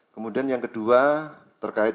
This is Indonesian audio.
kemudian yang kedua terkait